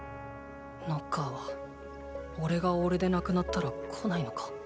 ノッカーはおれがおれでなくなったら来ないのか。